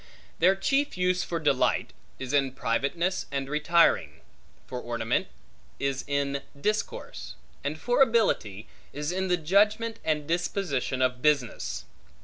Their chief use for delight, is in privateness and retiring; for ornament, is in discourse; and for ability, is in the judgment, and disposition of business.